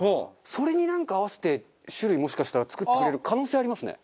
それになんか合わせて種類もしかしたら作ってくれる可能性ありますね。